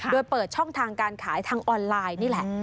โดยเปิดช่องทางการขายทางออนไลน์นี่แหละ